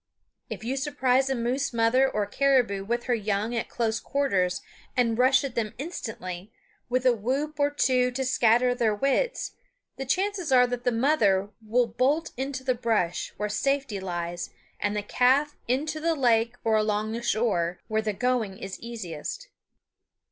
If you surprise a mother moose or caribou with her young at close quarters and rush at them instantly, with a whoop or two to scatter their wits, the chances are that the mother will bolt into the brush, where safety lies, and the calf into the lake or along the shore, where the going is easiest.